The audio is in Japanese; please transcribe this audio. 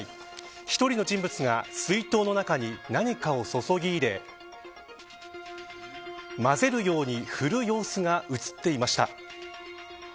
１人の人物が水筒の中に何かを注ぎ入れ混ぜるように振る様子が映っていました。